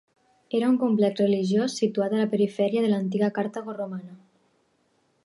Era un complex religiós situat a la perifèria de l'antiga Cartago romana.